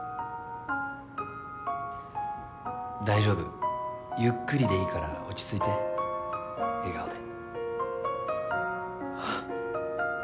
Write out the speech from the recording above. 大丈夫ゆっくりでいいから落ち着いて笑顔で。